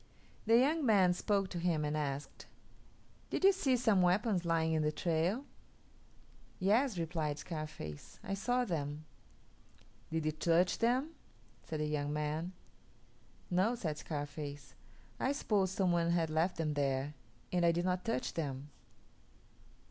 The young man spoke to him and asked, "Did you see some weapons lying in the trail?" "Yes," replied Scarface, "I saw them." "Did you touch them?" said the young man. "No," said Scarface; "I supposed some one had left them there, and I did not touch them."